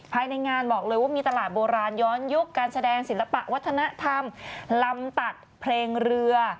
ภายในงานบอกเลยว่ามีตลาดโบราณย้อนยุคการแสดงศิลปะวัฒนธรรมลำตัดเพลงเรือ